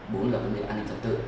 bốn là vấn đề an ninh tổ tự